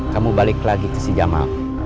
kamu balik lagi ke si jamal